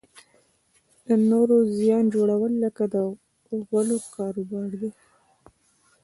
د نورو زیان جوړول لکه د غولو کاروبار دی.